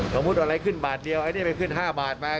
ขอบพูดอะไรขึ้นบาทเดียวไอ้นี่ไปขึ้น๕บาทมา